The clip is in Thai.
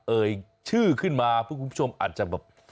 เอ่ยชื่อขึ้นมาเพื่อคุณผู้ชมอาจจะแบบ